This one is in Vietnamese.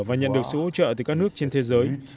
và nhận được sự hỗ trợ từ các nước trên thế giới